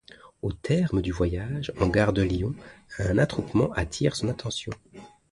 Au terme du voyage, en gare de Lyon, un attroupement attire son attention.